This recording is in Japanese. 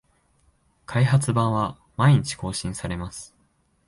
開発版は毎日更新されます